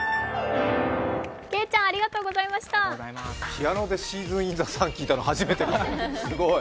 ピアノで「シーズン・イン・ザ・サン」聴いたの初めてですすごい。